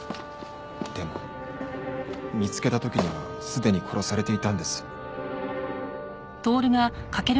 でも見つけた時にはすでに殺されていたんです。